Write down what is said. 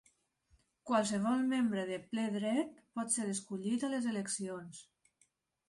Qualsevol membre de ple dret pot ser escollit a les eleccions.